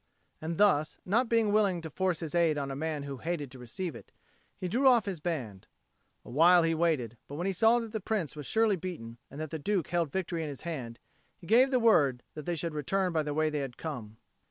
And thus, not being willing to force his aid on a man who hated to receive it, he drew off his band. Awhile he waited; but when he saw that the Prince was surely beaten, and that the Duke held victory in his hand, he gave the word that they should return by the way they had come.